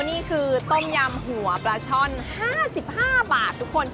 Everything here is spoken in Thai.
นี่คือต้มยำหัวปลาช่อน๕๕บาททุกคน